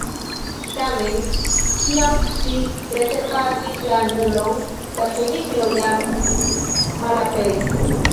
Tamen, kiam ŝi preterpasis la angulon, la kuniklo jam malaperis.